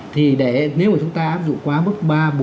thì để nếu mà chúng ta áp dụng quá mức ba bốn năm